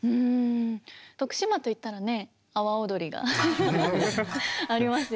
徳島といったらね阿波踊りがありますよね。